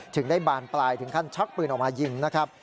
ถึงได้บานปลายถึงขั้นชักปืนออกมายิงนะครับ